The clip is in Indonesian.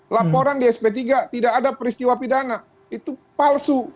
laporan di sp tiga tidak ada peristiwa pidana itu palsu